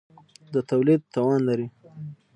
د تولید توان لري.